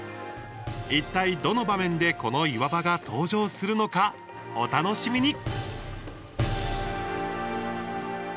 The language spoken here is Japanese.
いったいどの場面でこの岩場が登場するのか、お楽しみに。